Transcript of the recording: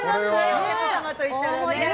お客様と行ったら。